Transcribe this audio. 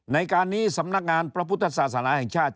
ในการนี้สำนักงานพระพุทธศาสนาแห่งชาติ